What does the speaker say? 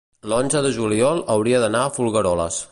l'onze de juliol hauria d'anar a Folgueroles.